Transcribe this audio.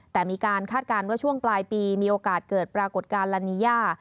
แต่มีการคาดการณ์ว่าช่วงปลายปีมีโอกาสเกิดปรากฏการณ์ลานีย่า